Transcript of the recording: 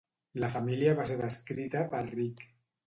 La família va ser descrita per Rich.